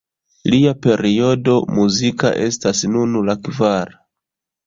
Lia periodo muzika estas nun la kvara.